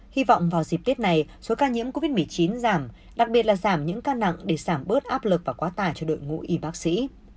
hy vọng vào dịp tết này số ca nhiễm covid một mươi chín giảm đặc biệt là giảm những ca nặng để giảm bớt áp lực và quá tải cho đội ngũ y bác sĩ